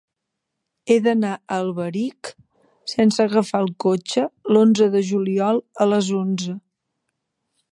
He d'anar a Alberic sense agafar el cotxe l'onze de juliol a les onze.